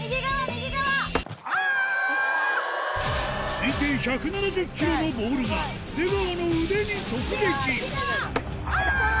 推定１７０キロのボールが出川の腕に直撃あぁ！